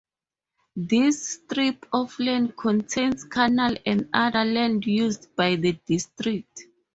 This strip of land contains canals and other land used by the District.